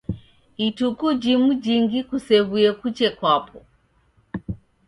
Ituku jimuJingi kusew'uye kuche kwapo.